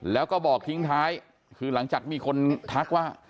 แล้วก็บอกทิ้งท้ายคือหลังจากมีคนทักว่า